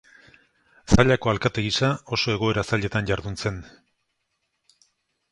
Zallako alkate gisa oso egoera zailetan jardun zen.